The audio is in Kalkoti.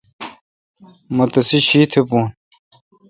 مہ تیسے شیتھ بھون۔